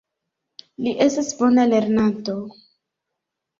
Li estas bona lernanto.